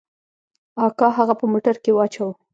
اکا هغه په موټر کښې واچاوه.